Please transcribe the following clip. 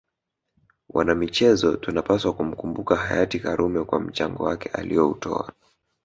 Wanamichezo tunapswa kumkumbuka Hayati Karume kwa mchango wake alioutoa